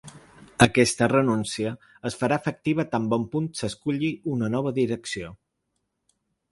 Aquesta renúncia es farà efectiva tan bon punt s’esculli una nova direcció.